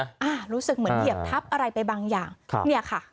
รู้สึกเหมือนเหยียบทับอะไรไปบางอย่างครับเนี่ยค่ะ